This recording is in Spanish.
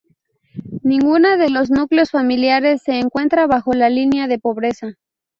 Ninguna de los núcleos familiares se encuentra bajo la línea de pobreza.